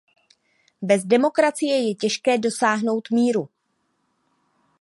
Bez demokracie je těžké dosáhnout míru.